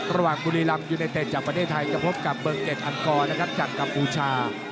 ระหว่างบุรีรัมย์ยูในเต็ดจับประเทศไทยกับพบกับเบอร์เก็ตอันกอร์จัดกับอูชา